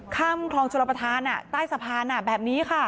คลองชลประธานใต้สะพานแบบนี้ค่ะ